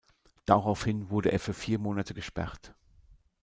Daraufhin wurde er für vier Monate gesperrt.